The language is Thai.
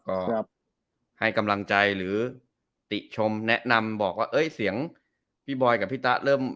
ก็ให้กำลังใจหรือติชมแนะนำบอกว่าเอ้ยเสียงพี่บอยกับพี่ตะเริ่ม